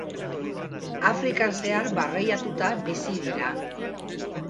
Afrikan zehar barreiatuta bizi dira.